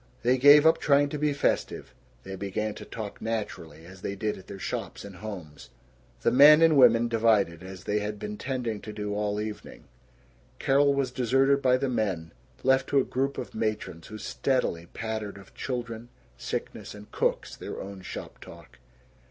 They gave up trying to be festive; they began to talk naturally, as they did at their shops and homes. The men and women divided, as they had been tending to do all evening. Carol was deserted by the men, left to a group of matrons who steadily pattered of children, sickness, and cooks their own shop talk.